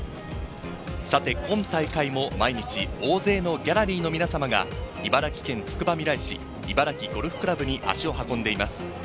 さて今大会も毎日、大勢のギャラリーの皆様が茨城県つくばみらい市、茨城ゴルフ倶楽部に足を運んでいます。